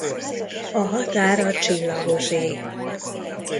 A határ a csillagos ég.